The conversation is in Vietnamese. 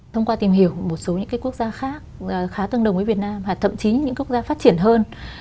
thông qua tìm hiểu một số những quốc gia khác khá tương đồng với việt nam và thậm chí những quốc gia phát triển hơn